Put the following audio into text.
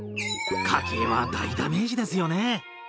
家計は大ダメージですよね。